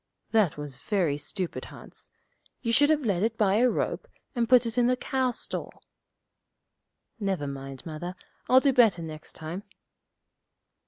'That was very stupid, Hans. You should have led it by a rope, and put it in the cow stall.' 'Never mind, Mother; I'll do better next time.'